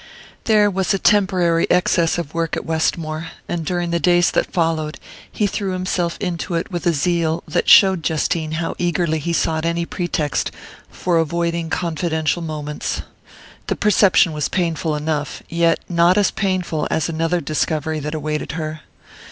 There was a temporary excess of work at Westmore, and during the days that followed he threw himself into it with a zeal that showed Justine how eagerly he sought any pretext for avoiding confidential moments. The perception was painful enough, yet not as painful as another discovery that awaited her.